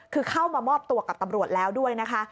คือเข้ามามอบตัวกับตำรวจแล้วด้วยนะคะ